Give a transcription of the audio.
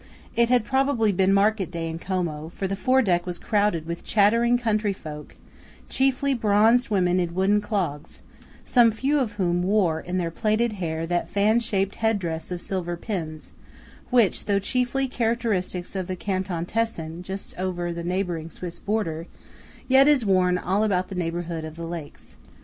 It had probably been market day in Como; for the fore deck was crowded with chattering country folk, chiefly bronzed women in wooden clogs, some few of whom wore in their plaited hair that fan shaped head dress of silver pins, which, though chiefly characteristic of the Canton Tessin, just over the neighbouring Swiss border, is yet worn all about the neighbourhood of the lakes.